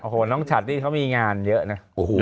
โอ้โหน้องฉัดนี่เขามีงานเยอะนะ